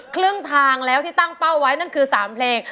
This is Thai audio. ครึ่งทางแล้วที่ตั้งเป้าไว้นั่นคือ๓เพลง